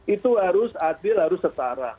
itu harus adil harus setara